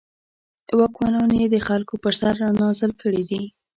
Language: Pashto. واکمنان یې د خلکو پر سر رانازل کړي دي.